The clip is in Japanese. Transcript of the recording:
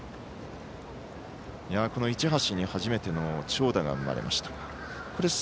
この市橋に初めての長打が生まれました。